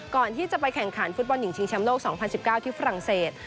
ก่อนที่จะไปแข่งขันฟุตบอลหญิงชิงแชมป์โลก๒๐๑๙ที่ฝรั่งเศส